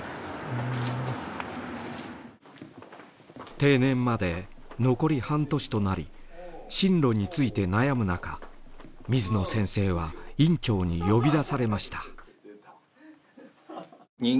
定年まで残り半年となり進路について悩むなか水野先生は院長に呼び出されました。